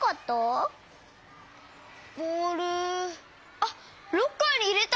あっロッカーにいれた。